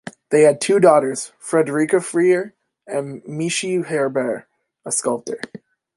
They had two daughters, Frederica Freer and Michie Herbert, a sculptor.